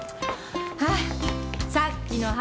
はいさっきの話？